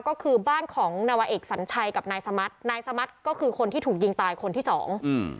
ก็คือบ้านของนวเอกสัญชัยกับนายสมัตินายสมัติก็คือคนที่ถูกยิงตายคนที่สองอืม